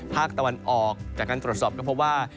ภาคตะวันออกจากการตรวจสอบก็พบว่า